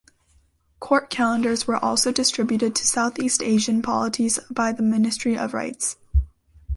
Court calendars were also distributed to Southeast Asian polities by the Ministry of Rites.